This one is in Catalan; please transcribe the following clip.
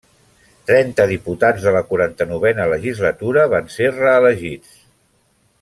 Trenta diputats de la quaranta-novena legislatura van ser reelegits.